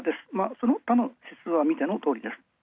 その他の指数は見てのとおりです。